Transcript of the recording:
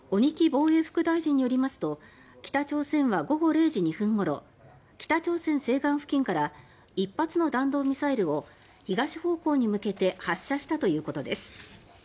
防衛副大臣によりますと北朝鮮は午後０時２分ごろ北朝鮮西岸付近から１発の弾道ミサイルを東方向に向けて発射したということです。